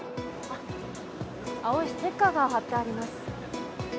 青いステッカーが貼ってあります。